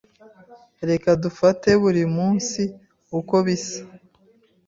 Reka dufate buri munsi uko biza.